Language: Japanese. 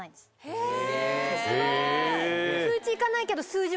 へぇ。